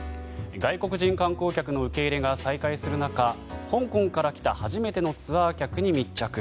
外国人観光客の受け入れが再開する中香港から来た初めてのツアー客に密着。